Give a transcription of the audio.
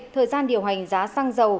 thời gian điều hành giá xăng dầu